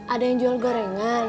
ada yang jual gorengan